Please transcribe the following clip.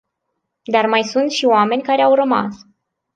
Dar mai sunt și oameni care au rămas.